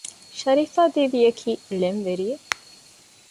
ޝަރީފާ ދީދީ އަކީ ޅެންވެރިއެއް